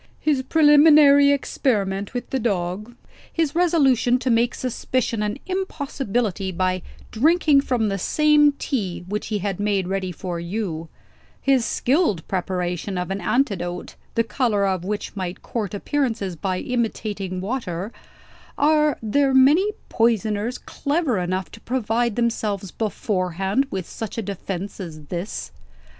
"His preliminary experiment with the dog; his resolution to make suspicion an impossibility, by drinking from the same tea which he had made ready for you; his skilled preparation of an antidote, the color of which might court appearances by imitating water are there many poisoners clever enough to provide themselves beforehand with such a defence as this?